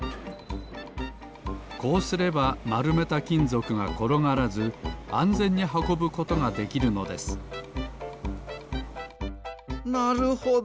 こうすればまるめたきんぞくがころがらずあんぜんにはこぶことができるのですなるほど。